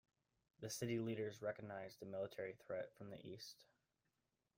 The city leaders recognized a military threat from the east.